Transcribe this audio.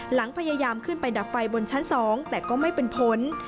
หลังพยายามขึ้นไปดับไฟบนชั้น๒แต่ก็ไม่เป็นผล